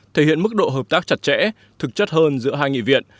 thể hiện mức độ hợp tác chặt chẽ thực chất hơn giữa hai nghị viện